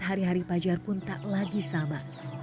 hari hari pajar pun tak lagi sama